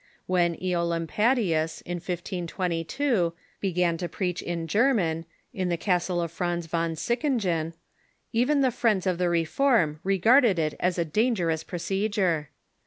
When CEcolarapadius, in 1522, be gan to preach in German, in the castle of Franz von Sickingen, even the friends of the reform regarded it as a dangerous pro cedure.